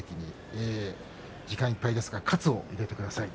時間いっぱいですが喝を入れてください。